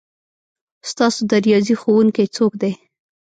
ستاسو د ریاضي ښؤونکی څوک دی؟